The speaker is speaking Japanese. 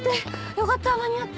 よかった間に合った。